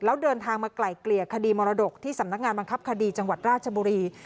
แล้วเดินทางมาไกล่เกลี่ยคดีมรดกที่สำนักงานบังคับคดีจังหวัดราชบุรี